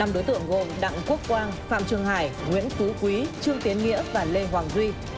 năm đối tượng gồm đặng quốc quang phạm trường hải nguyễn phú quý trương tiến nghĩa và lê hoàng duy